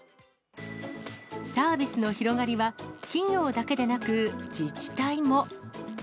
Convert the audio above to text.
サービスの広がりは、企業だけでなく自治体も。